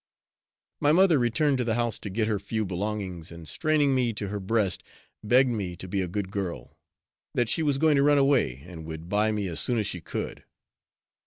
My mother returned to the house to get her few belongings, and straining me to her breast, begged me to be a good girl, that she was going to run away, and would buy me as soon as she could.